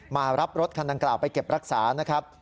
มารับรถคันดังกล่าวไปเก็บรักษานะครับ